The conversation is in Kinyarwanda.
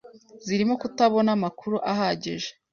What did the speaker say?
zirimo kutabona amakuru ahagije